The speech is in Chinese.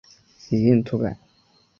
以应图谶。